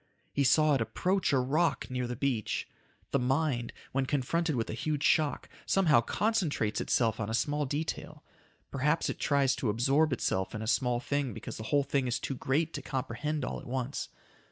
He saw it approach a rock near the beach. The mind, when confronted with a huge shock, somehow concentrates itself on a small detail. Perhaps it tries to absorb itself in a small thing because the whole thing is too great to comprehend all at once.